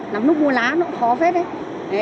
nắm nút mua lá nó khó phép đấy